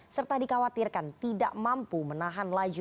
serta dikhawatirkan tidak mampu menahan laju